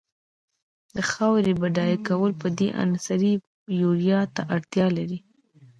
د خاورې بډای کول په دې عنصر یوریا ته اړتیا لري.